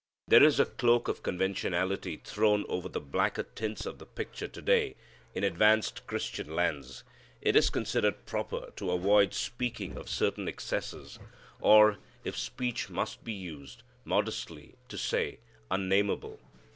There is a cloak of conventionality thrown over the blacker tints of the picture to day in advanced Christian lands. It is considered proper to avoid speaking of certain excesses, or, if speech must be used, modestly to say "unnamable."